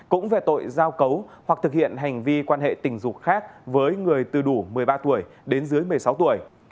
cũng về tội giao cấu hoặc thực hiện hành vi quan hệ tình dục khác với người từ đủ một mươi ba tuổi đến dưới một mươi sáu tuổi